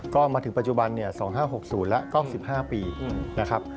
ก็มาถึงปัจจุบัน๒๕๖๐แล้วก็๑๕ปีนะครับ